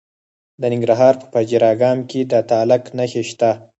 د ننګرهار په پچیر اګام کې د تالک نښې شته.